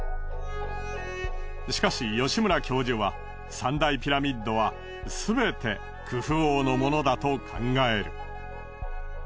しかし吉村教授は三大ピラミッドはすべてクフ王のものだと考える。